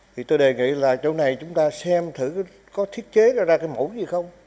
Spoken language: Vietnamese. thì tôi đề nghị là chỗ này chúng ta xem thử có thiết chế ra cái mẫu gì không